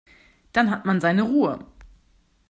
Dann hat man seine Ruhe.